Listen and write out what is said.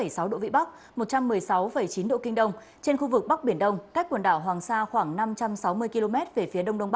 xin chào các bạn